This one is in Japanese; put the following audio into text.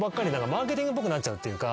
マーケティングっぽくなっちゃうっていうか。